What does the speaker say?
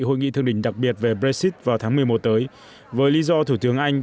hội nghị thương đỉnh đặc biệt về brexit vào tháng một mươi một tới với lý do thủ tướng anh